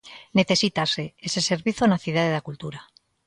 Necesítase ese servizo na Cidade da Cultura.